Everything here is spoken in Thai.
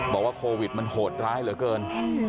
บอกว่าโควิดมันโหดร้ายเหลือเกิน